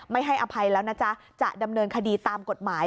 ให้อภัยแล้วนะจ๊ะจะดำเนินคดีตามกฎหมาย